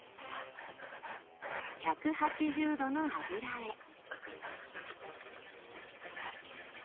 １８０℃の油へ。